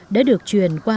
đã được truyền qua